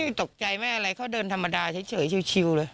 เค้าไม่ตกใจไม่ได้อะไรเค้าเดินธรรมดาเฉยชิวเลย